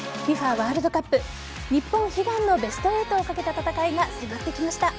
ワールドカップ日本悲願のベスト８をかけた戦いが迫ってきました。